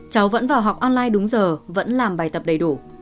cháu vẫn vào học online đúng giờ vẫn làm bài tập đầy đủ